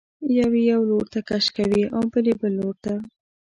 یو یې یو لورته کش کوي او بل یې بل لورته.